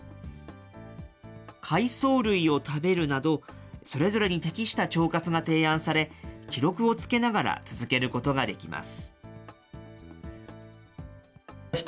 海藻類を食べるなど、それぞれに適した腸活が提案され、記録をつけながら続けることができます。